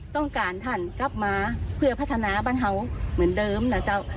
ต้องการท่านกลับมาเพื่อพัฒนาบ้านเห่าเหมือนเดิมนะเจ้า